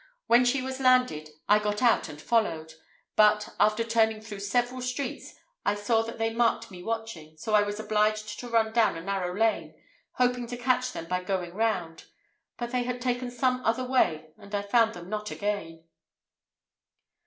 "When she was landed, I got out and followed; but, after turning through several streets, I saw that they marked me watching, so I was obliged to run down a narrow lane, hoping to catch them by going round; but they had taken some other way, and I found them not again."